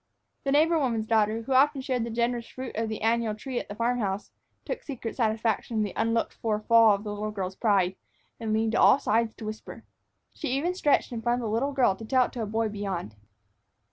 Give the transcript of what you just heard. The neighbor woman's daughter, who had often shared the generous fruit of the annual tree at the farm house, took secret satisfaction in the unlooked for fall of the little girl's pride, and leaned to all sides to whisper. She even stretched in front of the little girl to tell it to a boy beyond.